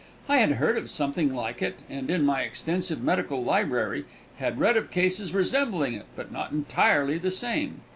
I had heard of something like it and in my extensive medical library had read of cases resembling it, but not entirely the same.